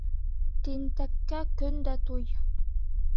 Тинтәккә көн дә туй.